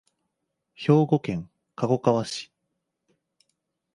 兵庫県加古川市